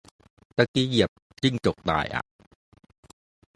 ตะกี้เหยียบจิ้งจกตายอ่ะ